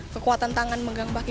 kekuatan tangan pegang baki